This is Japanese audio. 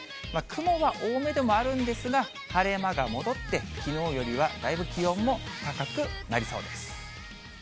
雲は多めでもあるんですが、晴れ間が戻って、きのうよりはだいぶ気温も高くなりそうです。